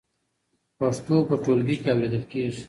پښتو په ټولګي کې اورېدل کېږي.